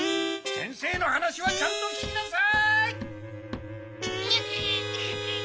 先生の話はちゃんと聞きなさい！